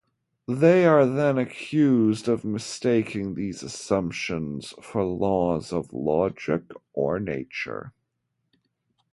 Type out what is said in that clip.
They are then accused of mistaking these assumptions for laws of logic or nature.